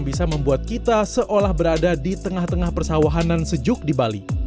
bisa membuat kita seolah berada di tengah tengah persawahanan sejuk di bali